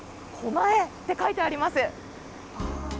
狛江って書いてあります。